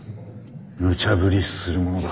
むちゃ振りするものだ。